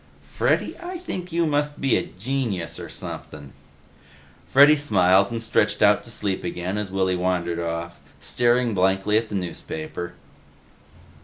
"Freddy, I think you must be a genius or sumpin'." Freddy smiled and stretched out to sleep again as Willy wandered off, staring blankly at the newspaper.